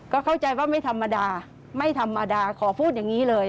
ก็เข้าใจว่าไม่ธรรมดาไม่ธรรมดาขอพูดอย่างนี้เลย